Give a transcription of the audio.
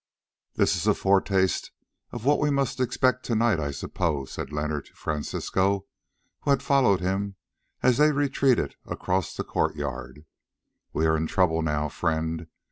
"This is a foretaste of what we must expect to night, I suppose," said Leonard to Francisco, who had followed him, as they retreated across the courtyard. "We are in trouble now, friend.